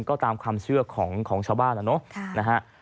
ก็ตามความเชื่อของชาวบ้านนะเนาะนะฮะ